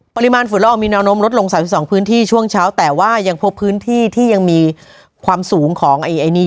ปริมาณฝุ่นละอองมีแนวโน้มลดลง๓๒พื้นที่ช่วงเช้าแต่ว่ายังพบพื้นที่ที่ยังมีความสูงของไอ้นี้